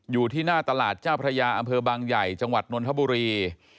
อยู่ที่หน้าตลาดเจ้าพระยาอำเภอบางใหญ่จังหวัดนนทบุรี